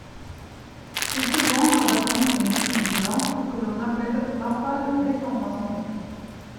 C'est ce vent rabattant d'une extrême violence que l'on appelle rafale descendante.